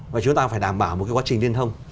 và chúng ta phải đảm bảo một cái quá trình liên thông